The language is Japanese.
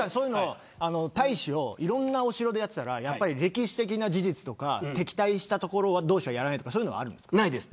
大使をいろんなお城でやっていたら歴史的な事実とか敵対したところ同士はやらないとかないです。